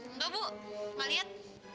nggak bu nggak lihat